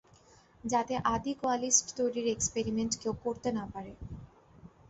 যাতে আদি কোয়ালিস্ট তৈরির এক্সপেরিমেন্ট কেউ করতে না পারে।